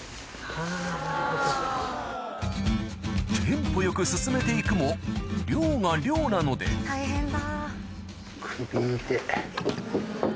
テンポよく進めて行くも量が量なので大変だ。